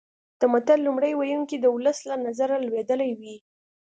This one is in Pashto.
د متل لومړی ویونکی د ولس له نظره لویدلی وي